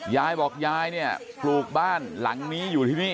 ยายบอกยายเนี่ยปลูกบ้านหลังนี้อยู่ที่นี่